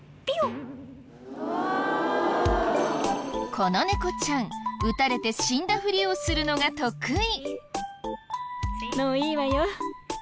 この猫ちゃん撃たれて死んだフリをするのが得意。